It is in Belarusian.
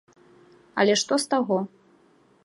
Але што з таго?